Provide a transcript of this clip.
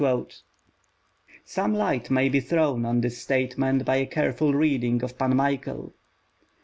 " Some light may be thrown on this statement by a careful reading of Pan Michael.